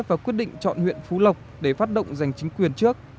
và quyết định chọn huyện phú lộc để phát động giành chính quyền trước